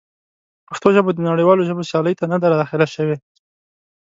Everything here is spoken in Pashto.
پښتو ژبه د نړیوالو ژبو سیالۍ ته نه ده داخله شوې.